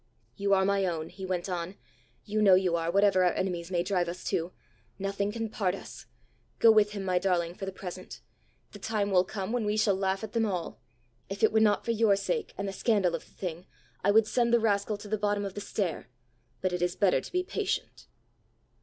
"You are my own!" he went on; "you know you are, whatever our enemies may drive us to! Nothing can part us. Go with him, my darling, for the present. The time will come when we shall laugh at them all. If it were not for your sake, and the scandal of the thing, I would send the rascal to the bottom of the stair. But it is better to be patient."